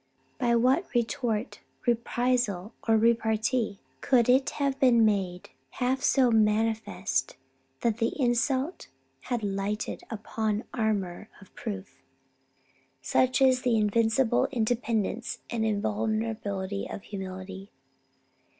By what retort, reprisal, or repartee could it have been made half so manifest that the insult had lighted upon armour of proof? Such is the invincible independence and invulnerability of humility."